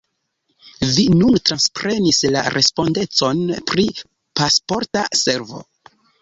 Vi nun transprenis la respondecon pri Pasporta Servo.